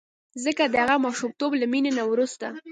ځکه د هغه ماشومتوب له مینې نه وروسته.